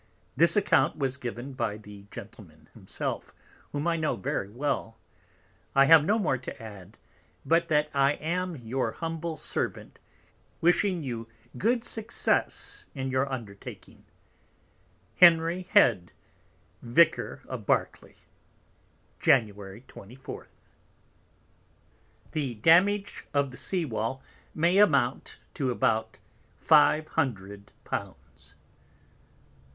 This Account was given by the Gentleman himself, whom I know very well. I have no more to add, but that I am, Your humble Servant, wishing you good Success in your Undertaking, Henry Head, Vicar of Berkly. Jan. 24. The Damage of the Sea wall may amount to about five Hundred Pounds.